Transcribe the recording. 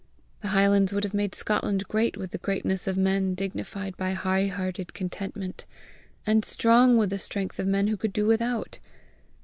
The highlands would have made Scotland great with the greatness of men dignified by high hearted contentment, and strong with the strength of men who could do without!"